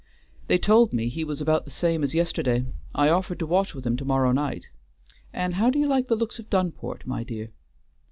"They told me he was about the same as yesterday. I offered to watch with him to morrow night. And how do you like the looks of Dunport, my dear?"